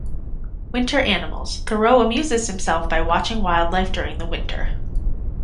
Winter Animals: Thoreau amuses himself by watching wildlife during the winter.